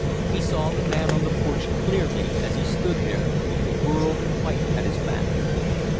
He saw the man on the porch clearly as he stood there with the world in white at his back.